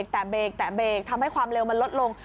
แตะเบรกทำให้ความเร็วมันลดลง